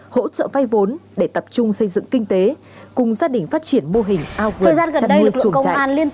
hỗ trợ vai vốn để tập trung xây dựng kinh tế cùng gia đình phát triển mô hình ao vườn chăn nuôi chuồng chạy